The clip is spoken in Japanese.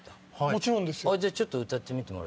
もちろんです。